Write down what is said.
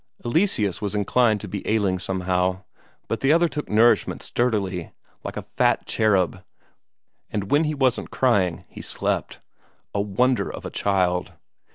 Eleseus was inclined to be ailing somehow, but the other took nourishment sturdily, like a fat cherub, and when he wasn't crying, he slept. A wonder of a child!